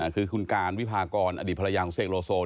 คือคุณการวิพากรอดีตภรรยาของเสกโลโซ